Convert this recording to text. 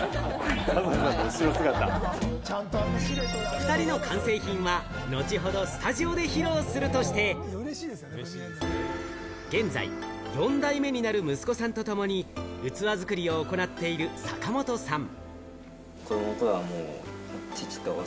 ２人の完成品は後ほどスタジオで披露するとして、現在、４代目になる息子とともに、器作りを行っている坂本さん。